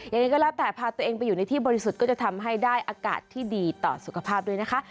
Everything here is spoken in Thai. ยังไงก็แล้วแต่พาตัวเองไปอยู่ในที่บริสุทธิ์ก็จะทำให้ได้อากาศที่ดีต่อสุขภาพด้วยนะคะ